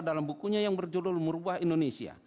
dalam bukunya yang berjudul merubah indonesia